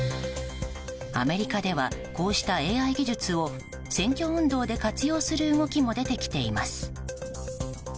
アメリカではこうしたＡＩ技術を選挙運動で活用する動きも出てきています。